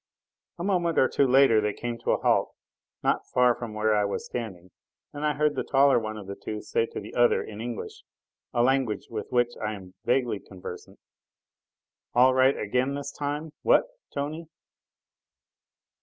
A moment or two later they came to a halt, not far from where I was standing, and I heard the taller one of the two say to the other in English a language with which I am vaguely conversant: "All right again this time, what, Tony?"